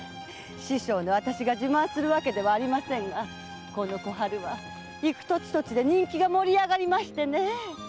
師匠の私が自慢するわけではありませんがこの小春は行く土地土地で人気が盛り上がりましてねえ。